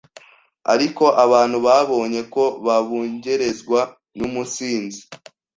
Ariko abantu babonye ko babungerezwa n’umusinzi,